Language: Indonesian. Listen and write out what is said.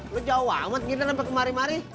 lo jauh amat gini sampe kemari mari